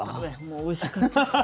もうおいしかったです。